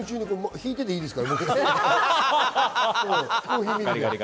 ひいてていいですから。